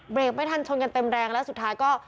ไม่ทันชนกันเต็มแรงแล้วสุดท้ายก็